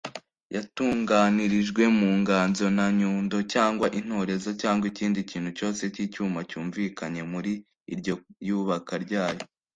yatunganirijwe mu nganzo; nta nyundo cyangwa intorezo cyangwa ikindi kintu cyose cy'icyuma cyumvikanye muri iryo yubaka ryayo